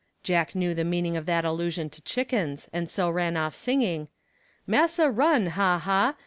Jack knew the meaning of that allusion to chickens, and so ran off singing: Massa run, ha, ha!